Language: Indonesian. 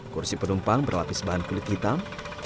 kursi penumpang berlapis bahan kulit hitam